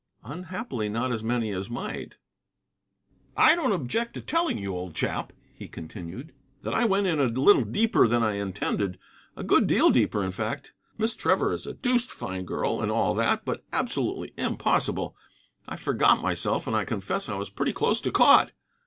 "Unhappily, not as many as might." "I don't object to telling you, old chap," he continued, "that I went in a little deeper than I intended. A good deal deeper, in fact. Miss Trevor is a deuced fine girl, and all that; but absolutely impossible. I forgot myself, and I confess I was pretty close to caught."